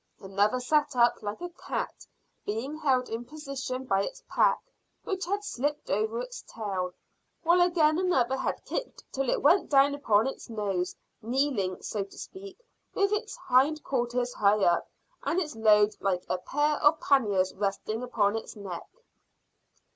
Another sat up like a cat, being held in position by its pack, which had slipped over its tail, while again another had kicked till it went down upon its nose, kneeling, so to speak, with its hind quarters high up, and its load like a pair of panniers resting upon its neck.